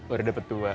udah dapet dua